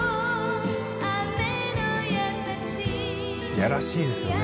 やらしいですよね